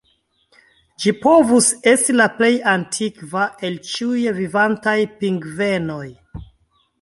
Ĝi povus esti la plej antikva el ĉiuj vivantaj pingvenoj.